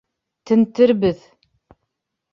Тентербеҙ!